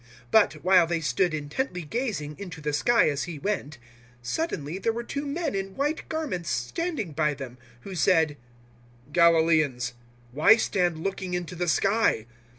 001:010 But, while they stood intently gazing into the sky as He went, suddenly there were two men in white garments standing by them, 001:011 who said, "Galilaeans, why stand looking into the sky?